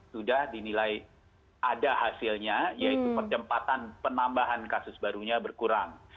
sudah dinilai ada hasilnya yaitu percepatan penambahan kasus barunya berkurang